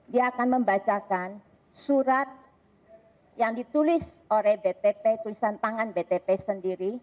dia akan membacakan surat yang ditulis oleh btp tulisan tangan btp sendiri